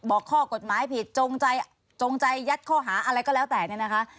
ข้อกฎหมายผิดจงใจจงใจยัดข้อหาอะไรก็แล้วแต่เนี่ยนะคะ